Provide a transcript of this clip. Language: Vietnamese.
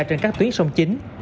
trên các tuyến sông chính